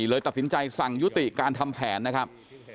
เลยตัดสินใจสั่งยุติการทำแผนนะครับ